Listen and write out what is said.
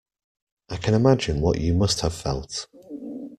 I can imagine what you must have felt.